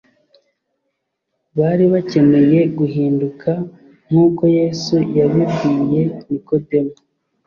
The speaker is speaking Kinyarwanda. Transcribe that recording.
Bari bakeneye guhinduka nk'uko Yesu yabibwiye Nikodemu: